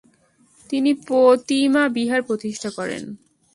তিনি পো-তি-মা বিহার প্রতিষ্ঠা করেন।